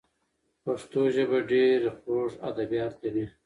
پښتو ژبه ډېر خوږ ادبیات لري.